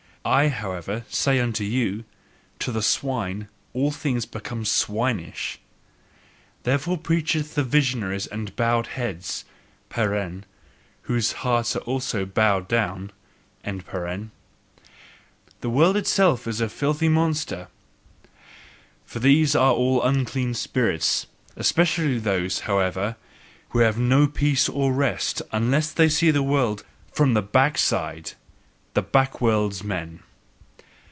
I, however, say unto you: To the swine all things become swinish! Therefore preach the visionaries and bowed heads (whose hearts are also bowed down): "The world itself is a filthy monster." For these are all unclean spirits; especially those, however, who have no peace or rest, unless they see the world FROM THE BACKSIDE the backworldsmen!